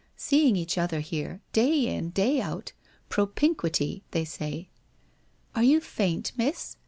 Seeing each other Iktc. day in, day out — propinquity — they say '' Are you faint, miss?'